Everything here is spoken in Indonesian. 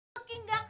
yang punya tv